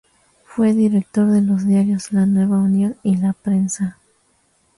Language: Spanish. Fue director de los diarios "La Nueva Unión" y "La Prensa".